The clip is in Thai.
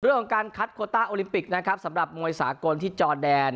เรื่องของการคต้าโอลิมปิกสำหรับมวยสาหกลที่จอดแดน